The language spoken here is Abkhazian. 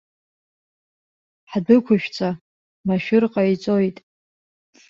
Ҳдәықәышәҵа, машәыр ҟаиҵоит.